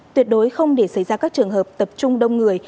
tuyệt đối không để xảy ra các trường hợp tập trung đông người